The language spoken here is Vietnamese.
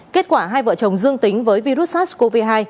kết quả hai vợ chồng dương tính với virus sars cov hai